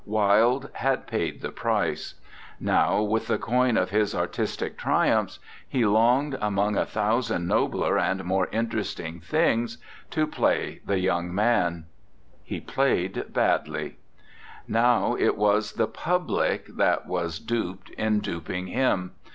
Wilde had paid the price. Now, with the coin of his artistic triumphs, he longed, among a thousand nobler and more interesting things, to play the young man. RECOLLECTIONS OF OSCAR WILDE He played badly. Now it was the public that was duped in duping him.